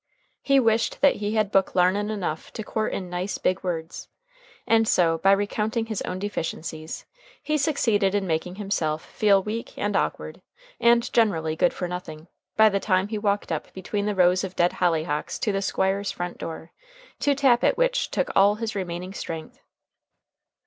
He wished that he had book larnin' enough to court in nice, big words. And so, by recounting his own deficiencies, he succeeded in making himself feel weak, and awkward, and generally good for nothing, by the time he walked up between the rows of dead hollyhocks to the Squire's front door, to tap at which took all his remaining strength.